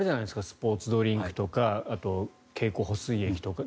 スポーツドリンクとかあと、経口補水液とか。